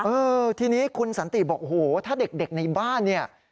เออทีนี้คุณสันติบอกโอ้โหถ้าเด็กในบ้านเนี่ย